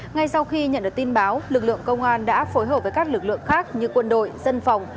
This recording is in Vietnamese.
ngay sau khi nhận được tin báo lực lượng công an đã phối hợp với các lực lượng khác như quân đội dân phòng